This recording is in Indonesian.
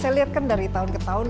saya lihat kan dari tahun ke tahun